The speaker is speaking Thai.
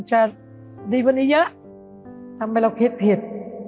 มันจะดีกว่านี้เยอะทำไมเราคิดผิด